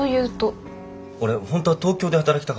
俺本当は東京で働きたかったんです。